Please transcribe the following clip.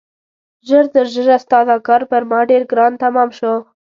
ژر تر ژره ستا دا کار پر ما ډېر ګران تمام شو.